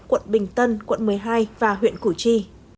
quận bình tân quận một mươi hai và huyện củ chi